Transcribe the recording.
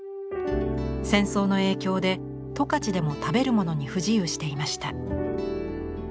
戦争の影響で十勝でも食べる物に不自由していました。